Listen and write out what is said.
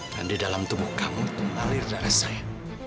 dan di dalam tubuh kamu itu melalir darah saya